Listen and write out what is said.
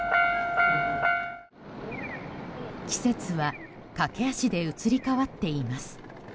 季節は駆け足で移り変わっています。